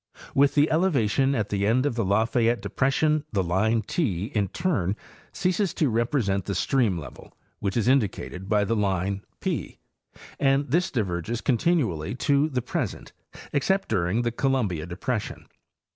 With the elevation at the end of the Lafayette depression the line 7'in turn ceases to rep resent the stream level which is indicated by the line P, and this diverges continually to the present except during the Columbia depression.